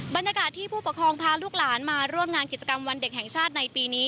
บรรยากาศที่ผู้ปกครองพาลูกหลานมาร่วมงานกิจกรรมวันเด็กแห่งชาติในปีนี้